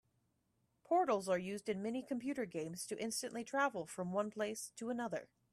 Portals are used in many computer games to instantly travel from one place to another.